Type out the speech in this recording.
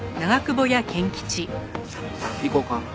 行こうか。